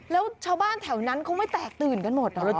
แล้วชาวบ้านแถวนั้นเขาไม่แตกตื่นกันหมดเหรอ